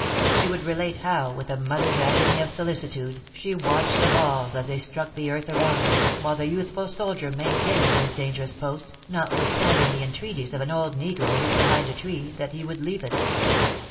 She would relate how, with a mother's agony of solicitude, she watched the balls as they struck the earth around him, while the youthful soldier maintained his dangerous post, notwithstanding the entreaties of an old negro hid behind a tree, that he would leave it.